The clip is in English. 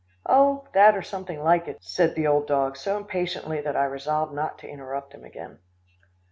"Oh! that, or something like it," said the old dog so impatiently that I resolved not to interrupt him again.